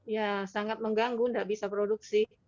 ya sangat mengganggu tidak bisa produksi